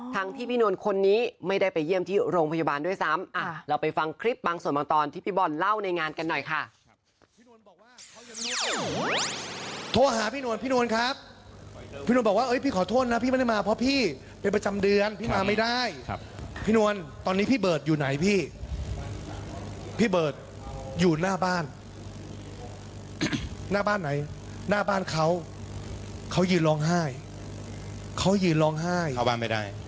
ทั้งที่พี่นวลคนนี้ไม่ได้ไปเยี่ยมที่โรงพยาบาลด้วยซ้ำเราไปฟังคลิปบางส่วนบางตอนที่พี่บอลเล่าในงานกันหน่อยค่ะ